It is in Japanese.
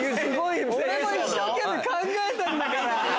一生懸命考えたんだから。